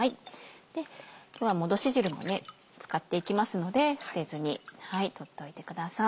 今日はもどし汁も使っていきますので捨てずに取っといてください。